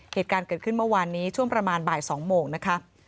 เหตุการณ์เกิดขึ้นเมื่อวานนี้ช่วงประมาณบ่าย๒โมงนะคะ